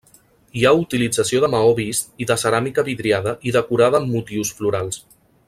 Hi ha utilització de maó vist i de ceràmica vidriada i decorada amb motius florals.